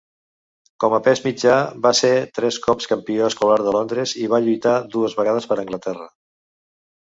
Com a pes mitjà va ser tres cops campió escolar de Londres i va lluitar dues vegades per Anglaterra.